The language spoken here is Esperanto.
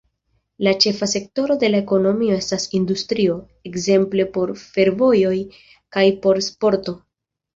La ĉefa sektoro de la ekonomio estas industrio, ekzemple por fervojoj kaj por sporto.